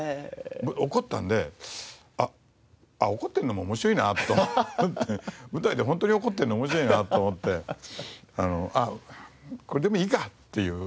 怒ったんであっ怒ってるのも面白いなと思って舞台で本当に怒ってるの面白いなと思ってあっこれでもいいかっていう苦肉の策です。